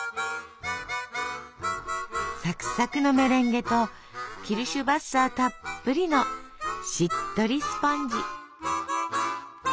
サクサクのメレンゲとキルシュヴァッサーたっぷりのしっとりスポンジ。